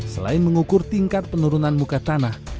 selain mengukur tingkat penurunan muka tanah